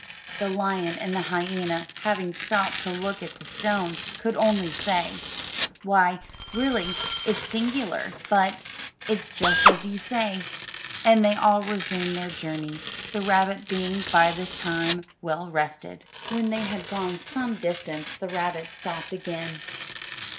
The lion and the hyena, having stopped to look at the stones, could only say, "Why, really, it's singular; but it's just as you say;" and they all resumed their journey, the rabbit being by this time well rested. When they had gone some distance the rabbit stopped again.